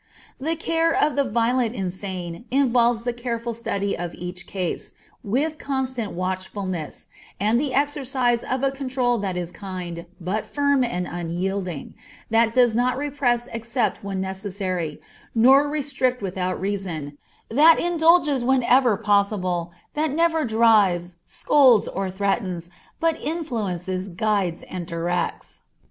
The care of the violent insane involves the careful study of each case, with constant watchfulness, and the exercise of a control that is kind, but firm and unyielding, that does not repress except when necessary, nor restrict without reason, that indulges whenever possible, that never drives, scolds, or threatens, but influences, guides, and directs.